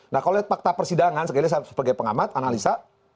nah kalau lihat fakta persidangan sebagai pengamat analisa